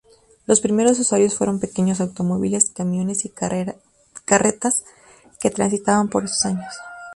Los primeros usuarios fueron pequeños automóviles, camiones y carretas que transitaban por esos años.